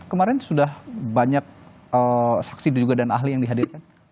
kemarin sudah banyak saksi juga dan ahli yang dihadirkan